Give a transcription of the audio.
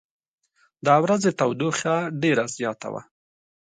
د ورځې تودوخه ډېره زیاته وه.